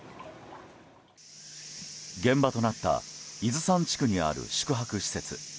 現場となった伊豆山地区にある宿泊施設。